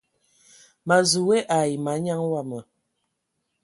Ma zu we ai manyaŋ wama.